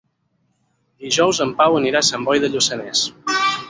Dijous en Pau anirà a Sant Boi de Lluçanès.